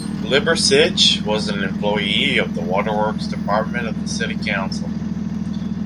Liversidge was an employee of the waterworks department of the City Council.